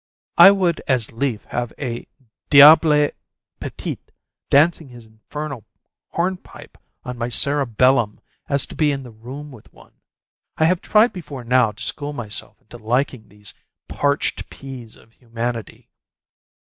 I would as lief have a diable petit dancing his infernal hornpipe on my cerebellum as to be in the room with one. I have tried before now to school myself into liking these parched peas of humanity.